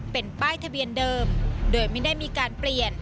เป็นป้ายทะเบียนเดิมโดยไม่ได้มีการเปลี่ยน